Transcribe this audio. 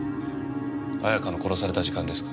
綾香の殺された時間ですか？